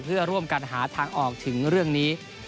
เพื่อร่วมกันหาทางออกถึงเรื่องนี้